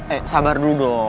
eh sabar dulu dong